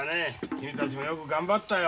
君たちもよく頑張ったよ。